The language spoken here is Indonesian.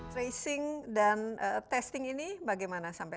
tracing dan testing ini bagaimana sampai saat ini